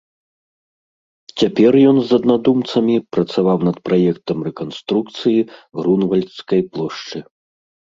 Цяпер ён з аднадумцамі працаваў над праектам рэканструкцыі Грунвальдскай плошчы.